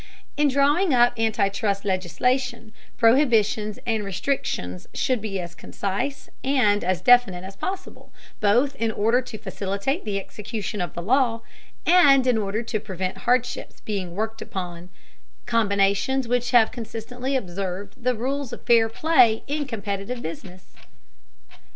In drawing up anti trust legislation, prohibitions and restrictions should be as concise and as definite as possible, both in order to facilitate the execution of the law, and in order to prevent hardships being worked upon combinations which have consistently observed the rules of fair play in competitive business.